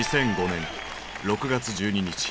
２００５年６月１２日。